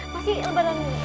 pasti lembaran ini